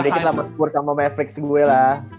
gak bisa dikit lah sama skurka mau mavericks gue lah